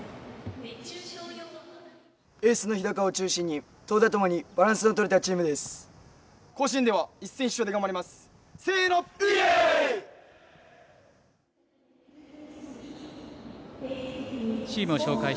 エースの日高を中心に投打ともにバランスが取れた甲子園ではいえーい！